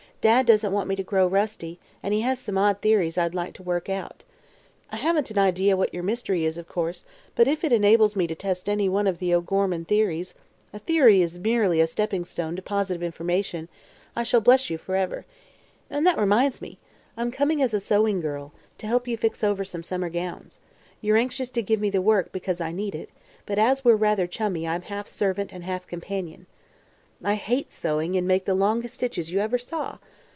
Dad doesn't want me to grow rusty and he has some odd theories I'd like to work out. I haven't an idea what your "mystery" is, of course, but if it enables me to test any one of the O'Gorman theories (a theory is merely a stepping stone to positive information) I shall bless you forever. And that reminds me: I'm coming as a sewing girl, to help you fix over some summer gowns. You're anxious to give me the work, because I need it, but as we're rather chummy I'm half servant and half companion. (I hate sewing and make the longest stitches you ever saw!)